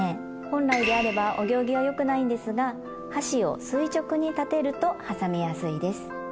本来であればお行儀は良くないんですが箸を垂直に立てると挟みやすいです。